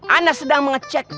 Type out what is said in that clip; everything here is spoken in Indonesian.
ana sedang mengecek